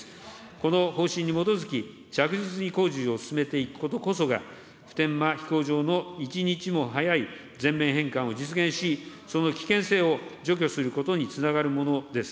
この方針に基づき、着実に工事を進めていくことこそが、普天間飛行場の一日も早い全面返還を実現し、その危険性を除去することにつながるものです。